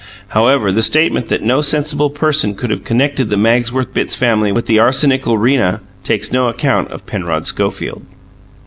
However, the statement that no sensible person could have connected the Magsworth Bitts family with the arsenical Rena takes no account of Penrod Schofield.